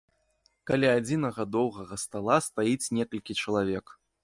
Каля адзінага доўгага стала стаіць некалькі чалавек.